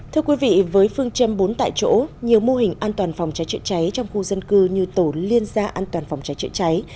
thưa quý vị với phương châm bốn tại chỗ nhiều mô hình an toàn phòng cháy chữa cháy trong khu dân cư như tổ liên gia an toàn phòng cháy chữa cháy